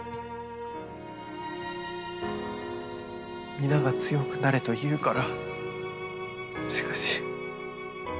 皆が強くなれと言うから。